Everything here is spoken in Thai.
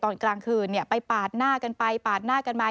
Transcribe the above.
ตอนกลางคืนไปปาดหน้ากันไปปาดหน้ากันมา